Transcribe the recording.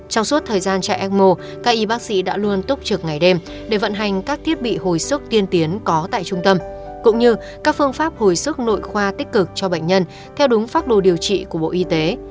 trong suốt thời gian chạy ecmo các y bác sĩ đã luôn túc trực ngày đêm để vận hành các thiết bị hồi sức tiên tiến có tại trung tâm cũng như các phương pháp hồi sức nội khoa tích cực cho bệnh nhân theo đúng phác đồ điều trị của bộ y tế